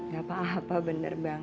gak apa apa bener bang